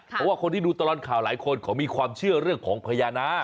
เพราะว่าคนที่ดูตลอดข่าวหลายคนเขามีความเชื่อเรื่องของพญานาค